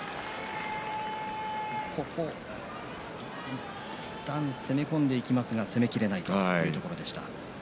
いったん攻め込んでいきますが攻めきることができませんでした。